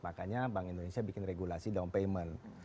makanya bank indonesia bikin regulasi down payment